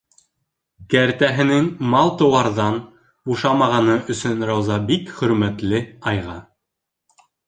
Кәртәһенең мал-тыуарҙан бушамағаны өсөн Рауза бик хөрмәтле айға.